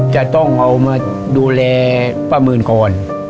จะต้องเอามาดูแลป้าหมื่นก่อน